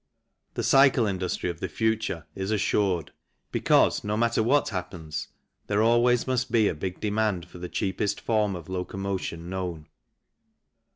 The cycle industry of the future is assured, because no matter what happens there always must be a big demand for the cheapest form of locomotion known.